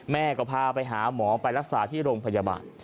แม่ก็พาไปหาหมอไปรักษาที่โรงพยาบาล